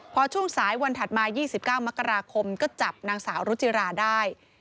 พอช่วงสายวันถัดมา๒๙มกราคมก็จับนางสาวรุจิราได้